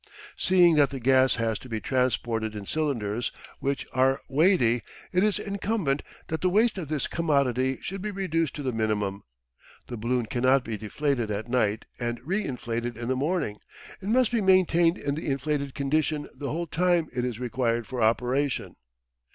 Seeing that the gas has to be transported in cylinders, which are weighty, it is incumbent that the waste of this commodity should be reduced to the minimum. The balloon cannot be deflated at night and re inflated in the morning it must be maintained in the inflated condition the whole time it is required for operation.